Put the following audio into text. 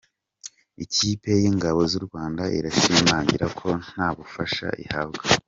Ikipe yingabo z’urwanda irashimangira ko nta bufasha ihabwa